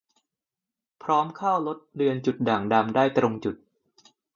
พร้อมเข้าลดเลือนจุดด่างดำได้ตรงจุด